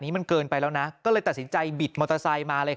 มันเกินไปแล้วนะก็เลยตัดสินใจบิดมอเตอร์ไซค์มาเลย